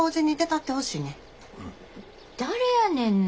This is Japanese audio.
誰やねんな。